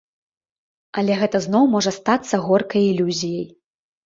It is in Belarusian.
Але гэта зноў можа стацца горкай ілюзіяй.